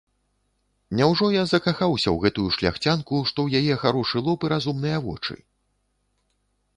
Няўжо я закахаўся ў гэтую шляхцянку, што ў яе харошы лоб і разумныя вочы.